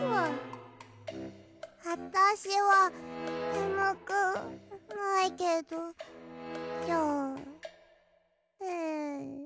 あたしはねむくないけどじゃあん。